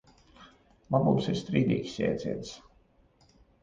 Labums ir strīdīgs jēdziens.